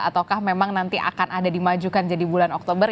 ataukah memang nanti akan ada dimajukan jadi bulan oktober